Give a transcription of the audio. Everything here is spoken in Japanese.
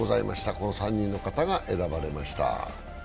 この３人の方が選ばれました。